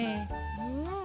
うん。